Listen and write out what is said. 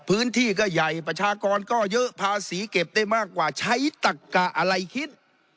พื้นที่ก็ใหญ่ประชากรก็เยอะภาษีเก็บได้มากกว่าใช้ตักกะอะไรคิด